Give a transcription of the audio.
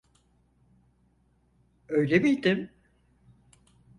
Öyle miydim?